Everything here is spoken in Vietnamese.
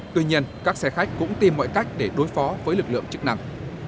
tuy nhiên các xe khách cũng tìm mọi cách để đối phó với lực lượng chức năng